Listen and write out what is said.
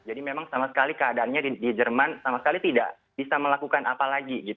jadi memang sama sekali keadaannya di jerman sama sekali tidak bisa melakukan apa lagi